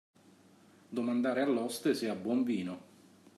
Domandare all'oste se ha buon vino.